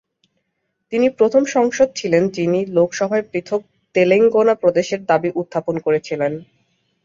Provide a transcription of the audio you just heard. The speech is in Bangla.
তিনি প্রথম সাংসদ ছিলেন যিনি লোকসভায় পৃথক তেলেঙ্গানা প্রদেশের দাবি উত্থাপন করেছিলেন।